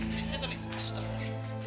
hasian yang kuat pharmacy